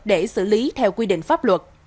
để xử lý theo quy định pháp luật